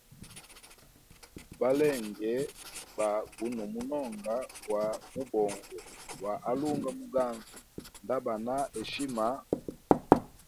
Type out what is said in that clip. Balenge ba guno munonga gwa mubongo gwa alunga muganza nda ba na heshima.